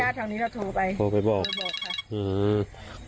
อ่าย่าทางนี้เราโทรไปโทรไปบอกค่ะอือ